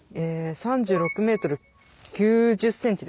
３６ｍ９０ｃｍですかね。